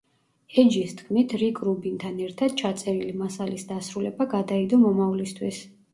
ეჯის თქმით, რიკ რუბინთან ერთად ჩაწერილი მასალის დასრულება გადაიდო მომავლისთვის.